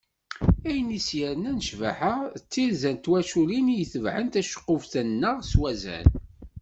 Ayen i as-yernan ccbaḥa d tirza n twaculin i itebɛen taceqquft-nneɣ s wazal.